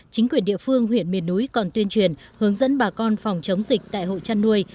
chính quyền địa phương huyện miền núi còn tuyên truyền hướng dẫn bà con phòng chống dịch tại hộ chăn nuôi